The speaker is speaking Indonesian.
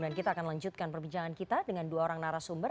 dan kita akan lanjutkan perbincangan kita dengan dua orang narasumber